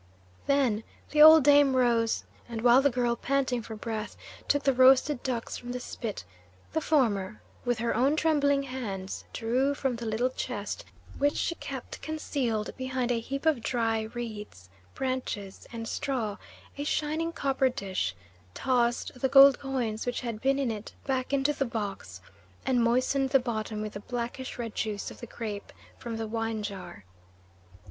Then the old dame rose, and while the girl, panting for breath, took the roasted ducks from the spit, the former, with her own trembling hands, drew from the little chest which she kept concealed behind a heap of dry reeds, branches, and straw, a shining copper dish, tossed the gold coins which had been in it back into the box, and moistened the bottom with the blackish red juice of the grape from the wine jar.